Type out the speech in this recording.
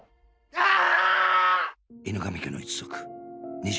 ああ！